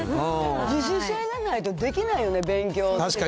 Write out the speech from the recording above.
自主性がないとできないもんね、勉強なんて。